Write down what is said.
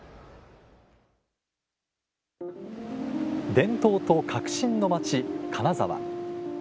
伝統と革新の町、金沢。